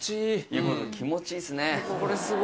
・気持ちいいですね・